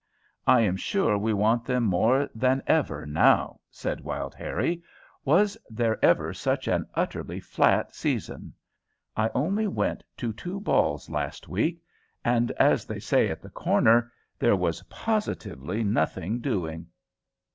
"I am sure we want them more than ever now," said Wild Harrie. "Was there ever such an utterly flat season? I only went to two balls last week, and, as they say at 'the corner,' 'there was positively nothing doing.'"